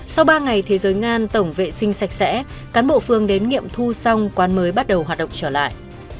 sau ba ngày thế giới ngan tổng vệ sinh sạch sẽ cán bộ phương đến nghiệm thu xong quán mới bắt đầu hoạt động trở lại